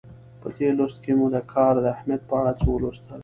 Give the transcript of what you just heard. په دې لوست کې مو د کار د اهمیت په اړه څه ولوستل.